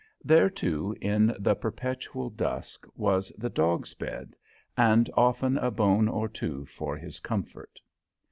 There, too, in the perpetual dusk, was the dog's bed, and often a bone or two for his comfort.